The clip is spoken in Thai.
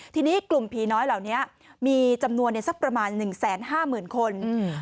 ทีนี้กลุ่มผีน้อยเหล่านี้มีจำนวนสักประมาณ๑๕๐๐๐คน